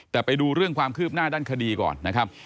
แต่ไปดูเรื่องความคืบหน้าด้านคดีก่อนนะครับ